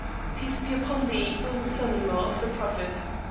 Peace be upon Thee, O Son in Law of the Prophet!